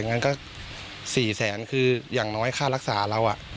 งั้นก็๔๐๐๐๐๐บาทคืออย่างน้อยค่ารักษาเรา